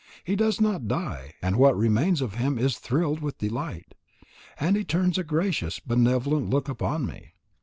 He does not die, and what remains of him is thrilled with delight. And he turns a gracious, benevolent look upon me.